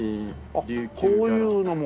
あっこういうのも。